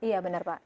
iya benar pak